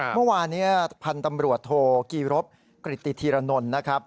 เมื่อวานนี้พันธุ์ตำรวจโทกีรบกริติธีรนนท์นะครับ